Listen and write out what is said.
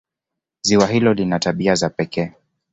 Ziwa hilo lina tabia za pekee.